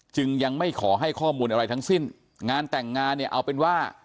จึงยังไม่ขอให้ข้อมูลอะไรทั้งสิ้นงานแต่งงานเนี่ยเอาเป็นว่า